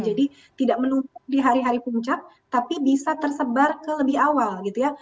jadi tidak menutup di hari hari puncak tapi bisa tersebar ke lebih awal gitu ya